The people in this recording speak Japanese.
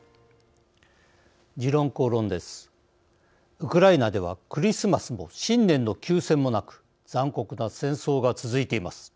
ウクライナでは、クリスマスも新年の休戦もなく残酷な戦争が続いています。